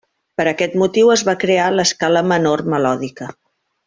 Per aquest motiu es va crear l'escala menor melòdica.